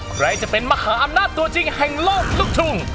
ใครจะเป็นมะขาอำนาจตัวจริงแห่งโลกลูกทุ่ง